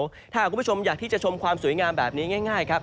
ถ้าคุณผู้ชมอยากที่จะชมความสวยงามแบบนี้ง่ายครับ